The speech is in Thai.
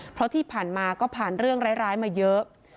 เพราะที่ผ่านมาก็ผ่านเรื่องร้ายมาเยอะ